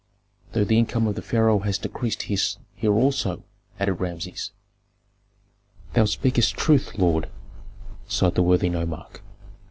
"Though the income of the pharaoh has decreased here also," added Rameses. "Thou speakest truth, lord," sighed the worthy nomarch.